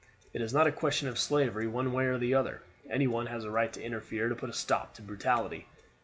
It is not a question of slavery one way or the other. Any one has a right to interfere to put a stop to brutality.